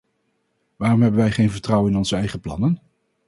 Waarom hebben wij geen vertrouwen in onze eigen plannen?